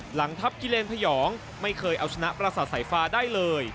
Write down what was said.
หลังทัพกิเลนพยองไม่เคยเอาชนะประสาทสายฟ้าได้เลย